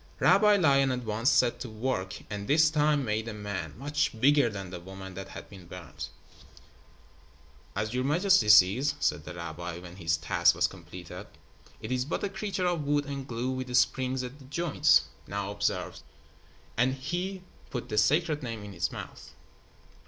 Rabbi Lion at once set to work, and this time made a man, much bigger than the woman that had been burned. "As your majesty sees," said the rabbi, when his task was completed, "it is but a creature of wood and glue with springs at the joints. Now observe," and he put the Sacred Name in its mouth.